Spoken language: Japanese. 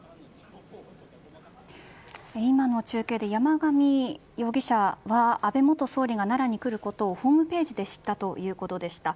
今の中継で山上容疑者は安倍元総理が奈良に来ることをホームページで知ったということでした。